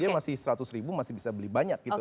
dia masih seratus ribu masih bisa beli banyak gitu